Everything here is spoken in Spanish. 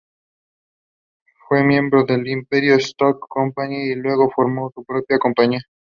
Fue miembro del Imperio Stock Company, y luego formó su propia compañía.